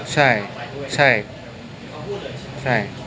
ใช่ใช่